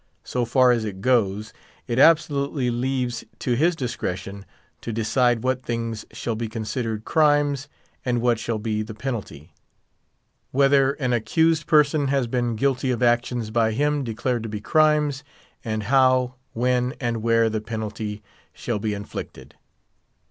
So far as it goes, it absolutely leaves to his discretion to decide what things shall be considered crimes, and what shall be the penalty; whether an accused person has been guilty of actions by him declared to be crimes; and how, when, and where the penalty shall be inflicted.